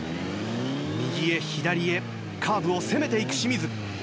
右へ左へカーブを攻めていく清水。